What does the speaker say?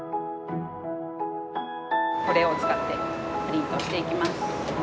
これを使ってプリントしていきます。